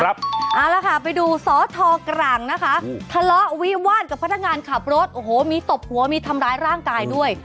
เอาละค่ะไปดูสอทอกลางนะคะทะเลาะวิวาดกับพนักงานขับรถโอ้โหมีตบหัวมีทำร้ายร่างกายด้วย